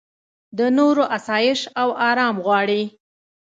د نورو اسایش او ارام غواړې.